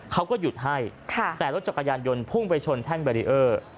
เขาก็หยุดให้แต่รถจักรยานยนต์พุ่งไปชนแท่งแบรีเออร์